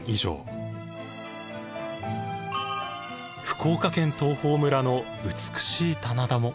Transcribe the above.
福岡県東峰村の美しい棚田も。